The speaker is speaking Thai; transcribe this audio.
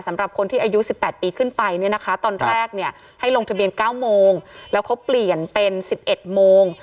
สำหรับคนที่อายุ๑๘ปีขึ้นไปเนี่ยนะคะตอนแรกเนี่ยให้ลงทะเบียน๙โมงแล้วเขาเปลี่ยนเป็น๑๑โมง